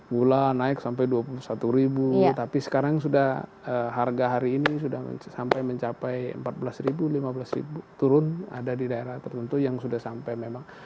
gula naik sampai rp dua puluh satu ribu tapi sekarang sudah harga hari ini sudah sampai mencapai empat belas lima belas ribu turun ada di daerah tertentu yang sudah sampai memang